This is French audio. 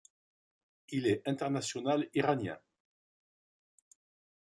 Il est international iranien.